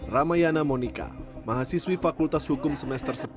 ramayana monika mahasiswi fakultas hukum semester sepuluh